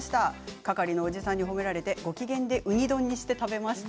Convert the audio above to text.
係のをおじさんに褒められてご機嫌でウニ丼にして食べました。